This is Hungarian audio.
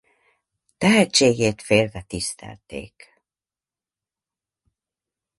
Tehetségét félve tisztelték.